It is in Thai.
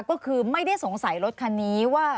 ก็คือไม่ได้สงสัยรถคันนี้ว่า